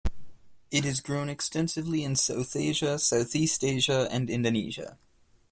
It is grown extensively in the South Asia, Southeast Asia, and Indonesia.